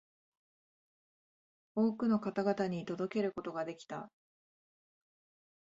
多くの方々に届けることができた